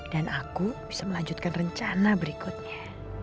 dan aku bisa melanjutkan rencana berikutnya